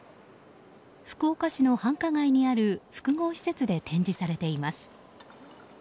福岡市の繁華街にある複合施設で展示されています。